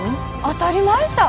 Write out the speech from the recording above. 当たり前さ